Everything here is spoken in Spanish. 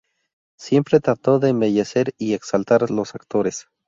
Siempre trato de embellecer y exaltar a los actores.